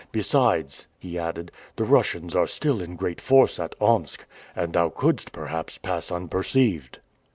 Besides," he added, "the Russians are still in great force at Omsk, and thou couldst, perhaps, pass unperceived."